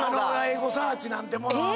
エゴサーチなんてものは。